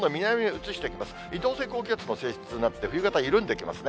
移動性高気圧の性質になって、冬型、緩んできますね。